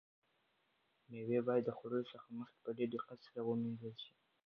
مېوې باید د خوړلو څخه مخکې په ډېر دقت سره ومینځل شي.